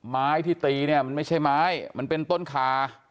ไม้ที่ตีเนี่ยมันไม่ใช่ไม้มันเป็นต้นคา